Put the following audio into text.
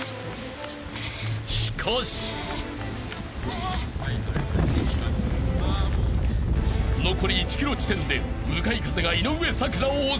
［しかし］［残り１ｋｍ地点で向かい風が井上咲楽を襲う］